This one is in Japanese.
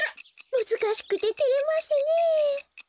むずかしくててれますねえ。